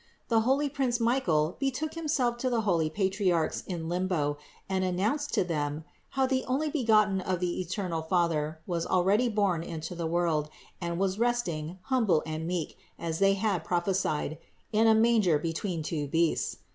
The holy prince Michael betook himself to the holy Patriarchs in limbo and announced to them, how the Onlybegotten of the eternal Father was already born into the world and was resting, humble and meek, as they had prophesied, in a manger between two beasts.